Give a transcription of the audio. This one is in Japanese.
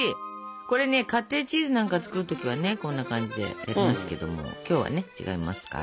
これねカッテージチーズなんか作る時はねこんな感じでやりますけども今日はね違いますから。